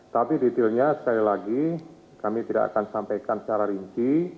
tapi detailnya sekali lagi kami tidak akan sampaikan secara rinci